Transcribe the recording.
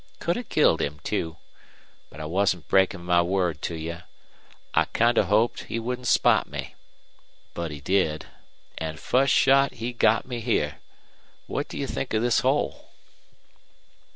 Could have killed him, too. But I wasn't breakin' my word to you. I kind of hoped he wouldn't spot me. But he did an' fust shot he got me here. What do you think of this hole?"